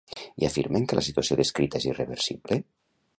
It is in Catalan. I afirmen que la situació descrita és irreversible?